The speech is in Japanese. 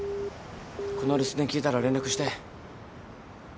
この留守電聞いたら連絡して。